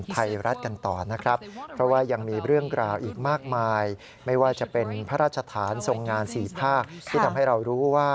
ไทยรัฐกันต่อนะครับ